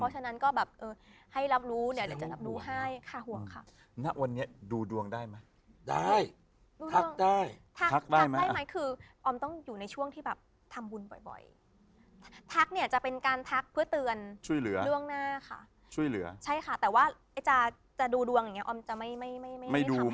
ใช่ค่ะแต่ว่าจะดูดวงอย่างเนี่ยออมจะไม่ทำให้ใคร